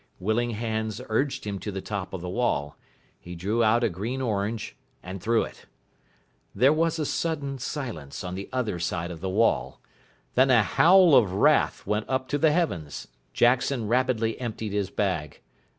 Willing hands urged him to the top of the wall. He drew out a green orange, and threw it. There was a sudden silence on the other side of the wall. Then a howl of wrath went up to the heavens. Jackson rapidly emptied his bag.